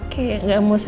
kayaknya nggak ada apa apa